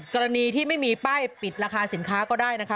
กรณีที่ไม่มีป้ายปิดราคาสินค้าก็ได้นะคะ